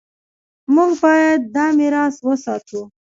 موږ باید دا میراث وساتو.